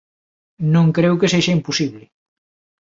Non creo que sexa imposible.